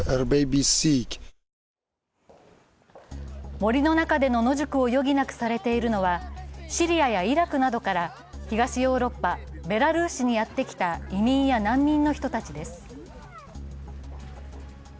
森の中での野宿を余儀なくされているのはシリアやイラクなどから東ヨーロッパ・ベラルーシにやってきた移民や難民の人たちです。